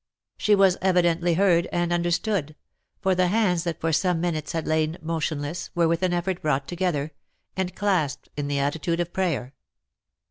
She was evidently heard and understood, for the hands that for some minutes had lain motionless, were with an effort brought together, and clasped in the attitude of prayer.